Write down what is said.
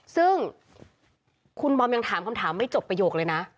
ซึ่งคุณบอมยังถามคำถามไม่จบประโยคเลยนะ